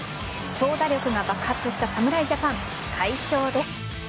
長打力が爆発した侍ジャパン快勝です。